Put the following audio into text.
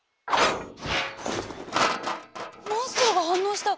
モンストロが反応した！